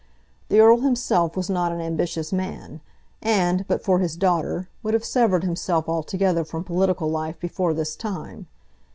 The Earl himself was not an ambitious man, and, but for his daughter, would have severed himself altogether from political life before this time.